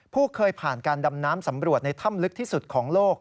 ผู้เคยผ่านการดำน้ำสำรวจในถ้ำลึกที่สุดของโลก